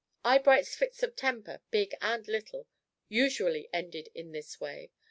Eyebright's fits of temper, big and little, usually ended in this way.